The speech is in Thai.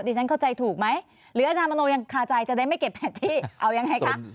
ฉันเข้าใจถูกไหมหรืออาจารย์มโนยังคาใจจะได้ไม่เก็บแผนที่เอายังไงคะ